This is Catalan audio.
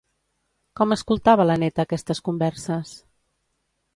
Com escoltava la neta aquestes converses?